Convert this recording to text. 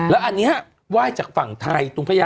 แล้วอันนี้ว่ายจากฝั่งไทย